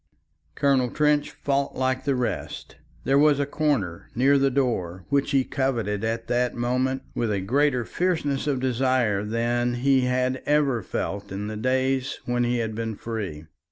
Colonel Trench fought like the rest. There was a corner near the door which he coveted at that moment with a greater fierceness of desire than he had ever felt in the days when he had been free.